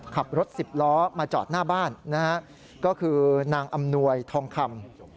ขับรถสิบล้อมาจอดหน้าบ้านนะฮะก็คือนางอำนวยทองคำ